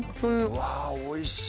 うわおいしい。